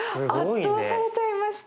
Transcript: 圧倒されちゃいました。